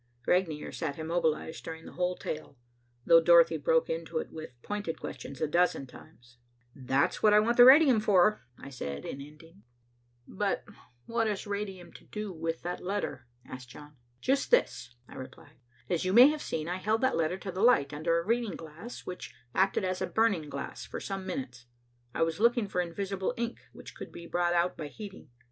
Regnier sat immobile during the whole tale, though Dorothy broke into it with pointed questions a dozen times. "That's what I want the radium for," I said in ending. "But what has radium to do with that letter?" asked John. "Just this," I replied. "As you may have seen, I held that letter to the light under a reading glass, which acted as a burning glass, for some minutes. I was looking for invisible ink, which could be brought out by heating.